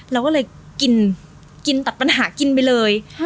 เราก็เลยกินกินตัดปัญหากินไปเลย